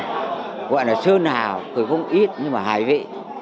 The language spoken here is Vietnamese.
gọi là sơn hào thì không ít nhưng mà hài vệ